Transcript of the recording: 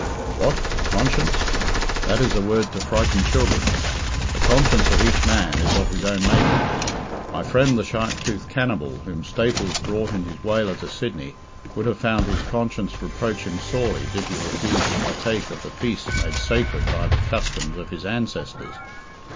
What? Conscience? That is a word to frighten children. The conscience of each man is of his own making. My friend the shark toothed cannibal whom Staples brought in his whaler to Sydney would have found his conscience reproach him sorely did he refuse to partake of the feasts made sacred by the customs of his ancestors.